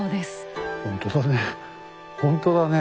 ほんとだね